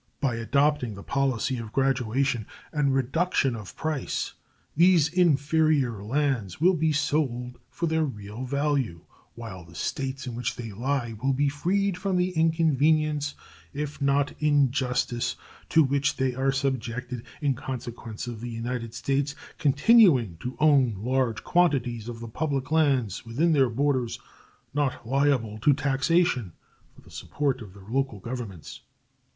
By adopting the policy of graduation and reduction of price these inferior lands will be sold for their real value, while the States in which they lie will be freed from the inconvenience, if not injustice, to which they are subjected in consequence of the United States continuing to own large quantities of the public lands within their borders not liable to taxation for the support of their local governments.